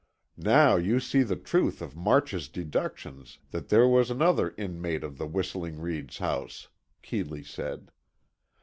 "Now, you see the truth of March's deductions that there was another inmate of the Whistling Reeds' house," Keeley said.